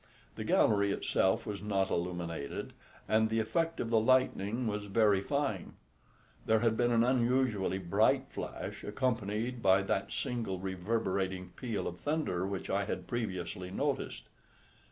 The gallery itself was not illuminated, and the effect of the lightning was very fine. There had been an unusually bright flash accompanied by that single reverberating peal of thunder which I had previously noticed.